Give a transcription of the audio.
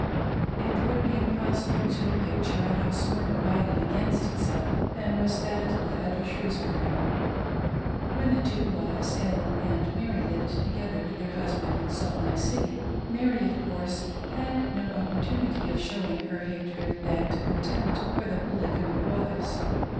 It would be impossible to picture a house more divided against itself than was that of Elder Shrewsbury. When the two wives, Ellen and Mary, lived together with their husband in Salt Lake City, Mary, of course, had no op portunity of showing her hatred and contempt for the Poly gamic wives.